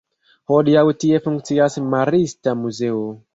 Hodiaŭ tie funkcias marista muzeo.